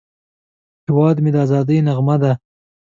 هیواد مې د ازادۍ نغمه ده